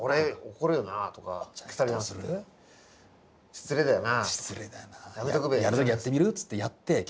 失礼だよな。